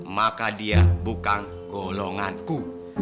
maka dia bukan golonganku